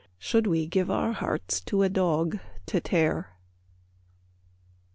Should we give our hearts to a dog to tear?